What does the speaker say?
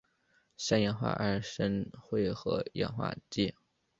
三氧化二砷会和氧化剂。